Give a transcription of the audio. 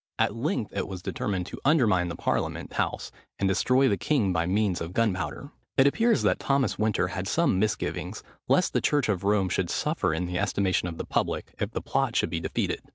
At length it was determined to undermine the parliament house, and destroy the king by means of gunpowder. It appears that Thomas Winter had some misgivings, lest the church of Rome should suffer in the estimation of the public if the plot should be defeated.